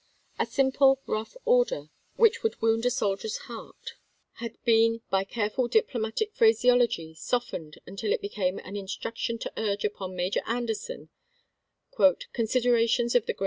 A sim ple rough order which would wound a soldier's heart had been by careful diplomatic phraseology soft ened until it became an instruction to urge upon Major Anderson "considerations of the gravest " Mr. Buch anan's Ad ministra tion